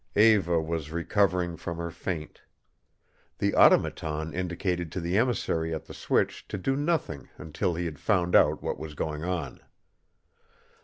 Eva was recovering from her faint. The Automaton indicated to the emissary at the switch to do nothing until he had found out what was going on.